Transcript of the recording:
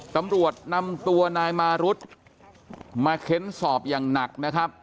ตำรวจนำตัวนายมารุธมาเค้นสอบอย่างหนักนะครับ